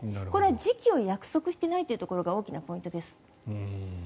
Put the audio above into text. これは時期を約束していないのが大きなポイントです。